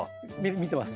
見てます。